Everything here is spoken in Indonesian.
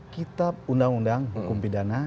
kitab undang undang hukum pidana